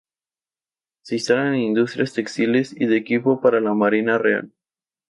Se instalan industrias textiles y de equipo para la Marina Real.